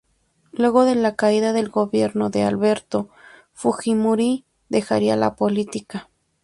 Luego de la caída del gobierno de Alberto Fujimori, dejaría la política.